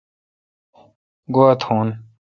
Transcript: گوا تھون